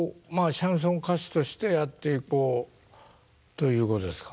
シャンソン歌手としてやっていこうということですか？